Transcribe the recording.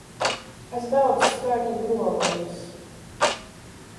Es daudz skaitu gruomotys.